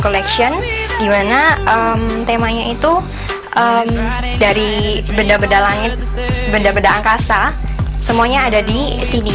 collection dimana temanya itu dari benda benda langit benda benda angkasa semuanya ada di sini